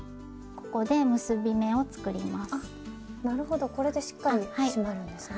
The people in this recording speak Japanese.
これでしっかり締まるんですね。